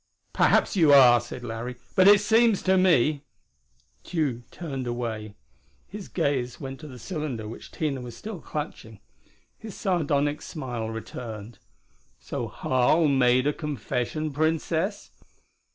"Perhaps you are," said Larry. "But to me it seems " Tugh turned away. His gaze went to the cylinder which Tina was still clutching. His sardonic smile returned. "So Harl made a confession, Princess?"